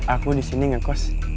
aku disini gak kos